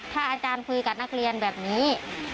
ถ้าอาจารย์คุยกับนักเรียนแบบนี้